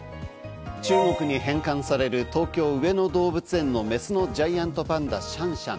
中国に返還される東京・上野動物園のメスのジャイアントパンダ、シャンシャン。